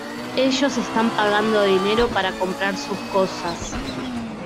Ellos están pagando dinero para comprar sus cosas.